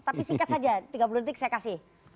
tapi singkat saja tiga puluh detik saya kasih